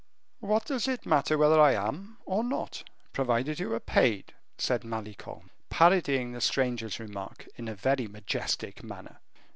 "What does it matter whether I am or not, provided you are paid?" said Malicorne, parodying the stranger's remark in a very majestic manner.